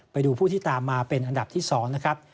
ไปดูผู้ที่ตามมาเป็นอันดับที่๒นะครับ